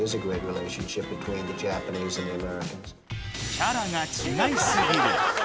キャラが違いすぎる。